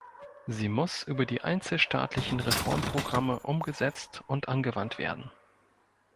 Sie muss über die einzelstaatlichen Reformprogramme umgesetzt und angewandt werden.